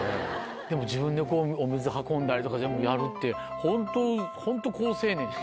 でも自分でお水運んだりとか全部やるってホント好青年。